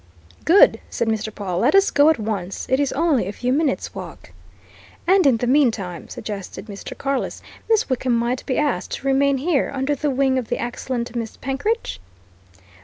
"Good!" said Mr. Pawle. "Let us go at once it is only a few minutes' walk." "And in the meantime," suggested Mr. Carless, "Miss Wickham might be asked to remain here under the wing of the excellent Miss Penkridge?"